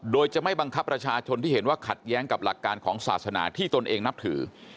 โดยจะไม่บังคับประชาชนที่เห็นว่าขัดแย้งกับหลักการของศาสนาที่ตนเองนับถือ